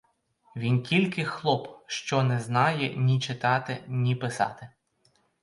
Він тільки хлоп, що не знає ні читати, ні писати.